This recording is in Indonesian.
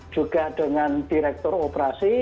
juga dengan direktur operasi